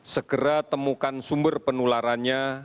segera temukan sumber penularannya